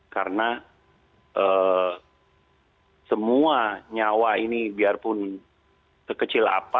karena semua nyawa ini biarpun kekecil apa